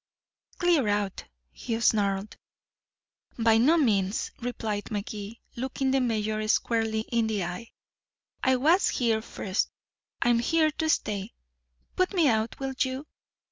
"Clear out," he snarled. "By no means," replied Magee, looking the mayor squarely in the eye. "I was here first. I'm here to stay. Put me out, will you?